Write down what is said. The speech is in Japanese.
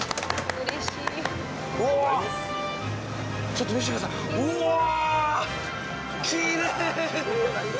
ちょっと見せて下さい。